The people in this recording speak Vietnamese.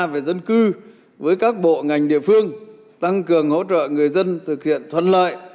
và dân cư với các bộ ngành địa phương tăng cường hỗ trợ người dân thực hiện thuần lợi